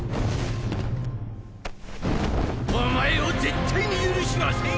お前を絶対に許しはせん！